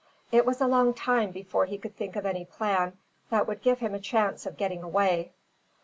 It was a long time before he could think of any plan that would give him a chance of getting away.